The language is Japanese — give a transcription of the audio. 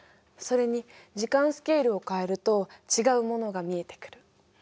それに時間スケールを変えると違うものが見えてくる。